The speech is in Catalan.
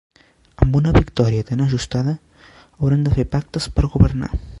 Amb una victòria tan ajustada hauran de fer pactes per governar.